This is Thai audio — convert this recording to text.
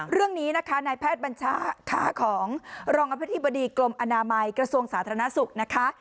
เรื่องนี้นะคะนายแพทย์บัญชาขาของรองอธิบดีกรมอนามัยกระทรวงสาธารณสุขนะคะ